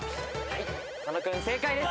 佐野君正解です。